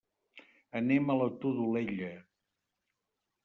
Anem a la Todolella.